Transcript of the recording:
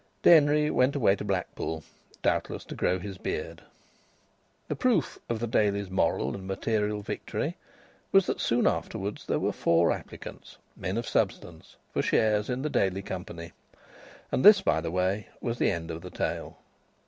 Denry went away to Blackpool, doubtless to grow his beard. The proof of the Daily's moral and material victory was that soon afterwards there were four applicants, men of substance, for shares in the Daily company. And this, by the way, was the end of the tale.